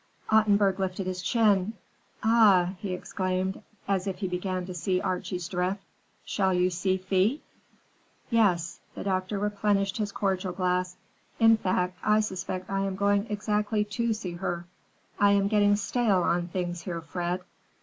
Ottenburg lifted his chin. "Ah!" he exclaimed, as if he began to see Archie's drift. "Shall you see Thea?" "Yes." The doctor replenished his cordial glass. "In fact, I suspect I am going exactly to see her. I'm getting stale on things here, Fred.